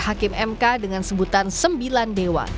hakim mk dengan sebutan sembilan dewa